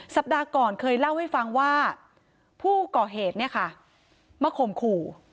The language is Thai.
สัปดาห์ก่อนเคยเล่าให้ฟังว่าผู้ก่อเหตุเนี่ยค่ะมาข่มขู่